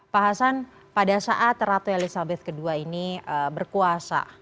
pak hasan pada saat ratu elizabeth ii ini berkuasa